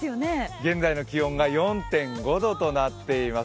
現在の気温が４．５度となっています。